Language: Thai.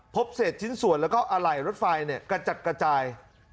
พบเศษชิ้นส่วนแล้วก็อะไหล่รถไฟกระจัดกระจาย